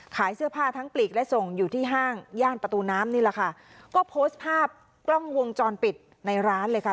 ขายเสื้อผ้าทั้งปลีกและส่งอยู่ที่ห้างย่านประตูน้ำนี่แหละค่ะก็โพสต์ภาพกล้องวงจรปิดในร้านเลยค่ะ